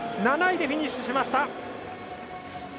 ７位でフィニッシュしました。